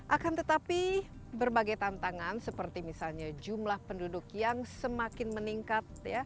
akan tetapi berbagai tantangan seperti misalnya jumlah penduduk yang semakin meningkat